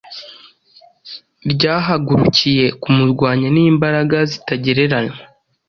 ryahagurukiye kumurwanya n’imbaraga zitagereranywa.